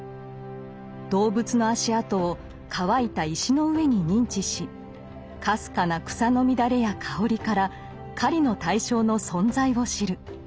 動物の足跡を乾いた石の上に認知しかすかな草の乱れや香りから狩りの対象の存在を知る。